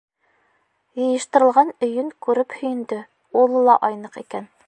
Йыйыштырылған өйөн күреп һөйөндө, улы ла айныҡ икән.